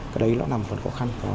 cái đấy là một phần khó khăn